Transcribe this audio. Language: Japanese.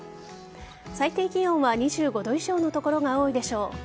最低気温は２５度以上の所が多いでしょう。